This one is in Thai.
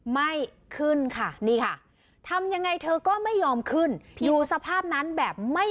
ไม่ขึ้นค่ะนี่คะ